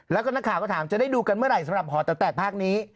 แล้วก็นักข่าวก็ถามจะได้ดูกันเมื่อไหร่สำหรับหอแต๋วแตกภาคนี้